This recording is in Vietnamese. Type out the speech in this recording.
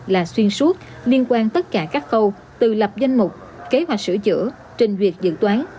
là xuyên suốt liên quan tất cả các khâu từ lập danh mục kế hoạch sửa chữa trình duyệt dự toán